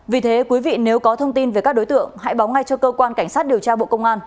vì thế quý vị nếu có thông tin về các đối tượng hãy báo ngay cho cơ quan cảnh sát điều tra bộ công an